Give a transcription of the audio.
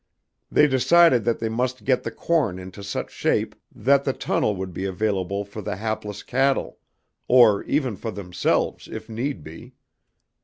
They decided that they must get the corn into such shape that the tunnel would be available for the hapless cattle, or even for themselves, if need be.